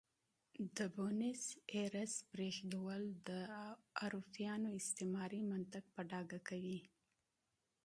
د بونیس ایرس پرېښودل د اروپایانو استعماري منطق په ډاګه کوي.